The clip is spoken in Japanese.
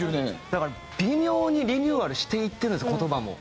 だから微妙にリニューアルしていってるんです言葉も。